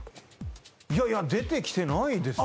いやいや出てきてないです